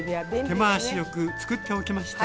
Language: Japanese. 手回しよく作っておきました。